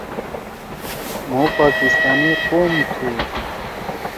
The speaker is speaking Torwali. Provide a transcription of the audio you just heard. مھو پاکستانی قوم تُھو۔